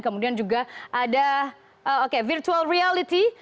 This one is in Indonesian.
kemudian juga ada virtual reality